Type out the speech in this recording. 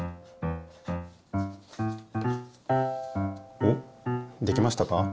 おっできましたか？